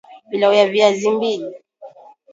Pilau ya viazi mbili